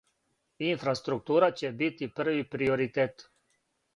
Инфраструктура ће бити први приоритет.